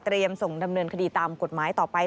ส่งดำเนินคดีตามกฎหมายต่อไป